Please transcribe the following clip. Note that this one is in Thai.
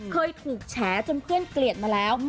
เคยถูกแฉจนเพื่อนเกลียดมาแล้ว